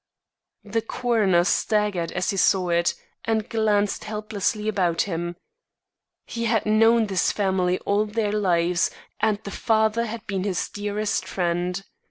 The coroner staggered as he saw it, and glanced helplessly about him. He had known this family all their lives and the father had been his dearest friend.